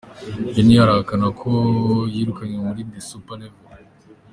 Juniya arahakana ko yirukanywe muri The Supa levo